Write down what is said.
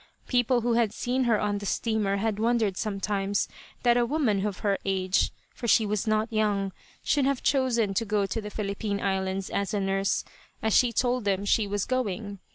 People who had seen her on the steamer had wondered sometimes that a woman of her age for she was not young should have chosen to go to the Philippine Islands as a nurse, as she told them she was going.